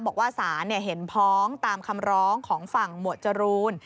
บอกว่าศาลเห็นพ้องตามคำร้องของฝั่งหมวดจรูน